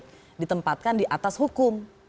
ada persoalan politik ditempatkan di atas hukum